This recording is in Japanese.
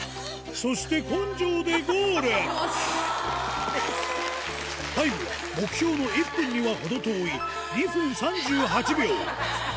そして根性でゴールタイムは目標の１分には程遠いハァハァ。